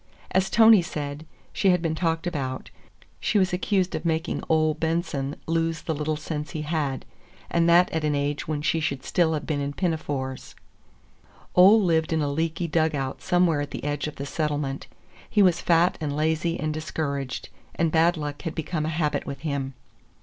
As Tony said, she had been talked about. She was accused of making Ole Benson lose the little sense he had—and that at an age when she should still have been in pinafores. [Illustration: Lena Lingard knitting stockings] Ole lived in a leaky dugout somewhere at the edge of the settlement. He was fat and lazy and discouraged, and bad luck had become a habit with him.